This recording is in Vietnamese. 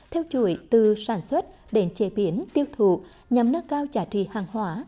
theo chuỗi từ sản xuất đến chế biến tiêu thụ nhằm nâng cao trả trị hàng hóa